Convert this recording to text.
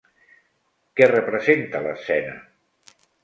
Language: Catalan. Què representa l'escena?